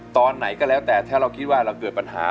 ตอนไหนก็แล้วแต่ถ้าเราก็อาจเบื่อปัญหา